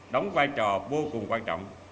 đóng vai trò vô cùng quan trọng